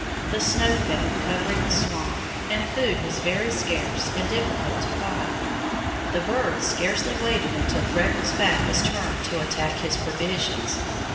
The snow fell, covering the swamp, and food was very scarce and difficult to find. The birds scarcely waited until Freckles' back was turned to attack his provisions.